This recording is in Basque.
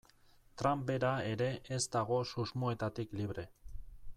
Trump bera ere ez dago susmoetatik libre.